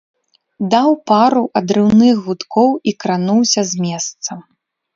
Даў пару адрыўных гудкоў і крануўся з месца.